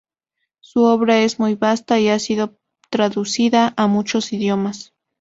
Su obra es muy vasta y ha sido traducida a muchos idiomas.